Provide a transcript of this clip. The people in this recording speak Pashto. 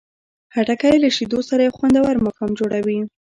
خټکی له شیدو سره یو خوندور ماښام جوړوي.